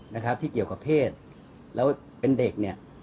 นะครับที่เกี่ยวกับเพศแล้วเป็นเด็กเนี่ย